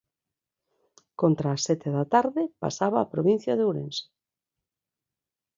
Contra as sete da tarde pasaba a provincia de Ourense.